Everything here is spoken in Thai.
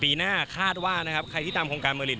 ปีหน้าคาดว่าใครที่ตามโครงการเมอริน